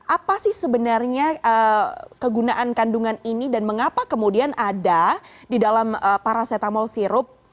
apa sih sebenarnya kegunaan kandungan ini dan mengapa kemudian ada di dalam paracetamol sirup